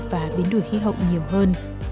và biến đổi khí hậu nhiều hơn